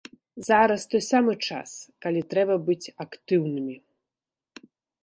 Зараз той самы час, калі трэба быць актыўнымі.